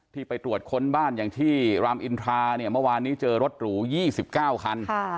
ไปตรวจค้นบ้านอย่างที่รามอินทราเนี่ยเมื่อวานนี้เจอรถหรู๒๙คัน